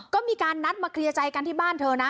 ก็มีการนัดมาเคลียร์ใจกันที่บ้านเธอนะ